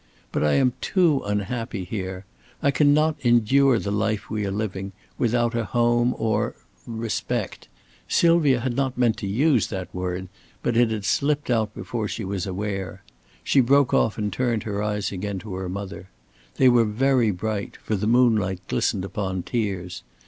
But I am too unhappy here. I cannot endure the life we are living without a home or respect, " Sylvia had not meant to use that word. But it had slipped out before she was aware. She broke off and turned her eyes again to her mother. They were very bright, for the moonlight glistened upon tears.